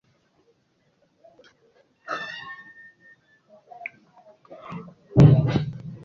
nke ọba akwụkwọ Anambra nyegasịrị ha ka ha kòbe n'ụlọakwụkwọ dị iche iche.